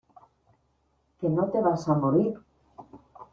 que no te vas a morir.